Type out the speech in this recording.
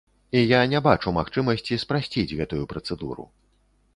І я не бачу магчымасці спрасціць гэтую працэдуру.